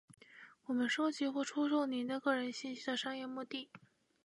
我们收集或出售您的个人信息的商业目的；